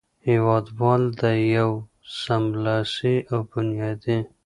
هېوادوال د یوه سملاسي او بنیادي